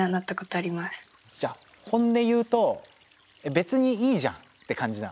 じゃあ本音言うと別にいいじゃんって感じなの？